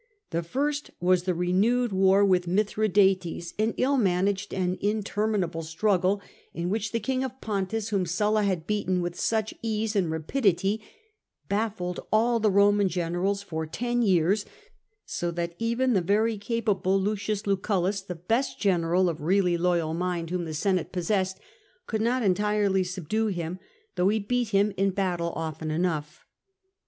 The first was the renewed war with Mithradates, an ill managed and interminable struggle, in which the king of Pontus, whom Sulla had beaten with such ease and rapidity, baffled all the Roman generals for ten years, so that even the very capable L. Lucullus, the best general of really loyal mind whom the Senate possessed, could not entirely subdue him, though he beat him in battle often enough.